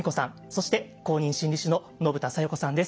そして公認心理師の信田さよ子さんです。